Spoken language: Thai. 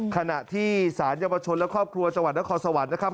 ขณะที่สารเยาวชนและครอบครัวจังหวัดนครสวรรค์นะครับ